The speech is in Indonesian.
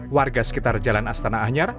warga sekitar jalan astana anyar